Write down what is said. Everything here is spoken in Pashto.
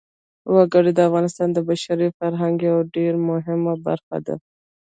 وګړي د افغانستان د بشري فرهنګ یوه ډېره مهمه برخه ده.